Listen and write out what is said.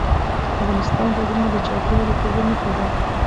افغانستان کې غرونه د چاپېریال د تغیر نښه ده.